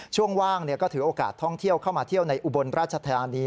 ช่วงว่างก็ถือโอกาสท่องเที่ยวเข้ามาเที่ยวในอุบลราชธานี